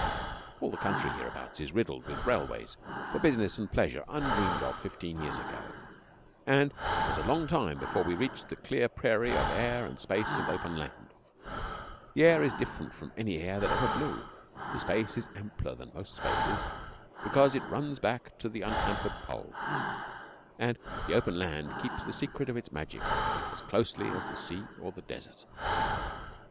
All the country hereabouts is riddled with railways for business and pleasure undreamed of fifteen years ago, and it was a long time before we reached the clear prairie of air and space and open land. The air is different from any air that ever blew; the space is ampler than most spaces, because it runs back to the unhampered Pole, and the open land keeps the secret of its magic as closely as the sea or the desert.